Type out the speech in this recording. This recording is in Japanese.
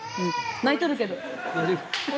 泣いとるけど。